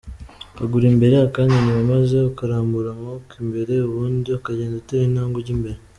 Akaguru imbere akandi inyuma maze ukarambura amaboko imbere ubundi ukagenda utera intabwe ujya imbere.